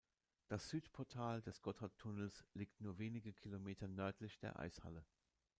Das Südportal des Gotthardtunnels liegt nur wenige Kilometer nördlich der Eishalle.